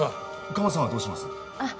カモさんはどうします？